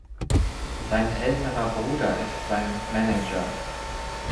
Sein älterer Bruder ist sein Manager.